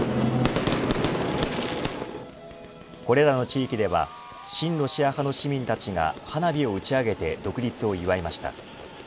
これらの地域では親ロシア派の市民たちが花火を打ち上げて独立を祝いました。